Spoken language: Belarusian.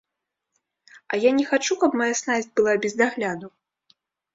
А я не хачу, каб мая снасць была без дагляду?